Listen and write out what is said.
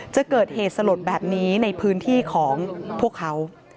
จะเกิดเหตุสลดแบบนี้ในพื้นที่ของพวกเขา